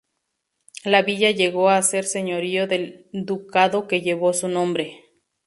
La villa llegó a ser señorío del ducado que llevó su nombre.